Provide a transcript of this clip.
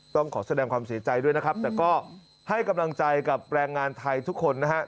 ต้องขอแสดงความเสียใจด้วยนะครับแต่ก็ให้กำลังใจกับแรงงานไทยทุกคนนะฮะ